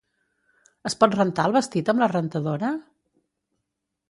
Es pot rentar el vestit amb la rentadora?